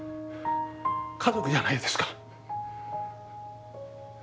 家族じゃないですか。